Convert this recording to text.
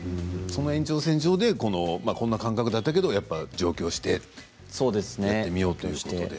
その延長線上でこんな感覚だったけど上京してやってみようということで。